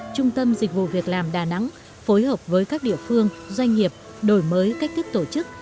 trung tâm dịch vụ việc làm đà nẵng phối hợp với các địa phương doanh nghiệp đổi mới cách thức tổ chức